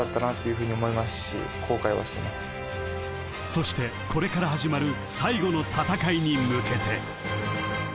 ［そしてこれから始まる最後の戦いに向けて］